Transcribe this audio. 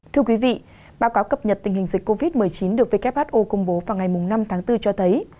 thưa quý vị báo cáo cập nhật tình hình dịch covid một mươi chín được who công bố vào ngày năm tháng bốn cho thấy